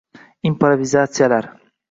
Improvizatsiyalar